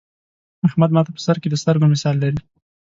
احمد ماته په سر کې د سترگو مثال لري.